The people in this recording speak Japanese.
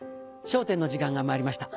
笑点の時間がまいりました。